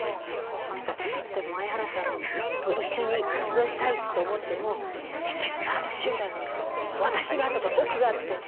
でも例えば前原さんと一緒に活動したいと思ってもエキスパート集団に私がとか僕がって。